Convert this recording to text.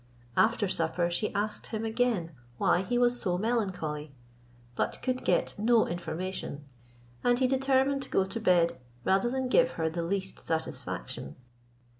After supper, she asked him again why he was so melancholy, but could get no information, and he determined to go to bed rather than give her the least satisfaction.